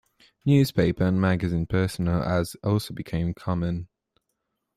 Newspaper and magazine personal ads also became common.